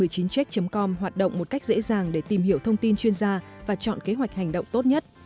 c một mươi chín check com hoạt động một cách dễ dàng để tìm hiểu thông tin chuyên gia và chọn kế hoạch hành động tốt nhất